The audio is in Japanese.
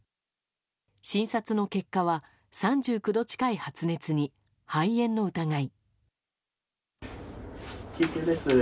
診察の結果は、３９度近い発熱に肺炎の疑い。